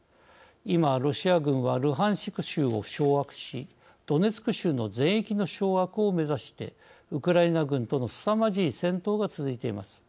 今、ロシア軍はルハンシク州を掌握しドネツク州の全域の掌握を目指してウクライナ軍とのすさまじい戦闘が続いています。